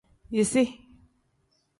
Yisi.